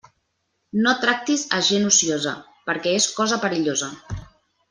No tractis a gent ociosa, perquè és cosa perillosa.